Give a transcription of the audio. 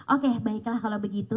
oke baiklah kalau begitu